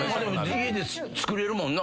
家で作れるもんな。